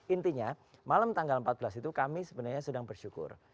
intinya malam tanggal empat belas itu kami sebenarnya sedang bersyukur